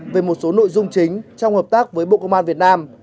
về một số nội dung chính trong hợp tác với bộ công an việt nam